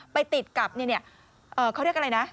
ไปติดกับเขาเรียกอะไรนะ